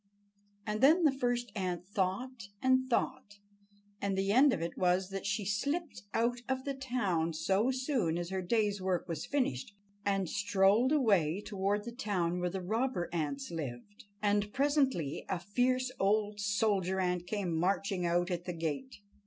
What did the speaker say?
And then the first ant thought and thought, and the end of it was that she slipped out of the town so soon as her day's work was finished and strolled away toward the town where the robber ants lived. And presently a fierce old soldier ant came marching out at the gate.